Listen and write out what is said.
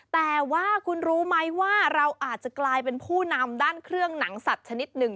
แต่ว่าคุณรู้ไหมว่าเราอาจจะกลายเป็นผู้นำด้านเครื่องหนังสัตว์ชนิดหนึ่ง